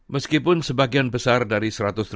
meskipun sebagian besar dari